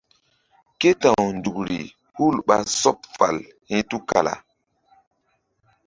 Ké ta̧w nzukri hul ɓa sɔɓ fal hi̧ tukala.